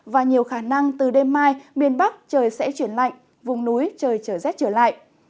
và nhiều khả năng từ đêm mai miền bắc trời sẽ chuyển lạnh vùng núi trời trở rét trở lại